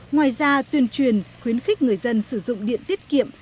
ngoài ra tuyên truyền khuyến khích người dân sử dụng điện tiết kiệm